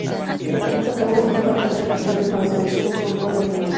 Jugó un total de tres partidos con la selección de fútbol de Rumania.